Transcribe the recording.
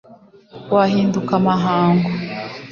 wahinduka amahango,